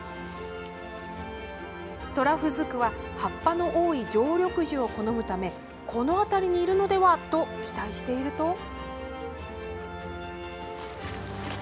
トラフズクは葉っぱの多い常緑樹を好むためこの辺りにいるのではと期待していると。